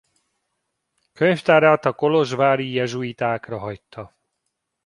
Könyvtárát a kolozsvári jezsuitákra hagyta.